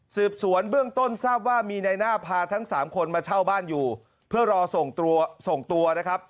สืบสวนเบื้องต้นทราบว่ามีในหน้าพาทั้งสามคนมาเช่าบ้านอยู่เพื่อรอส่งตัวส่งตัวนะครับ